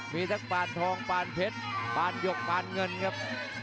มีทั้งปานทองปานเพชรปานหยกปานเงินครับ